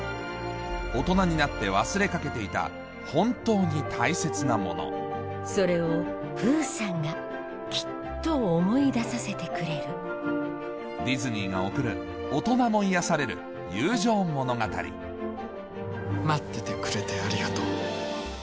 大人になって忘れかけていた本当に大切なものそれをプーさんがきっと思い出させてくれるディズニーが贈る大人も癒やされる友情物語待っててくれてありがとう。